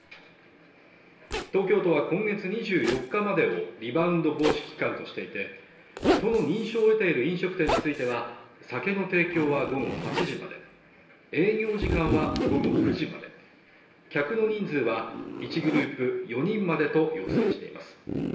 東京都は今月２４日までをリバウンド防止期間としていて都の認証を得ている飲食店については酒の提供は午後８時まで営業時間は午後９時まで客の人数は１グループ４人までと要請しています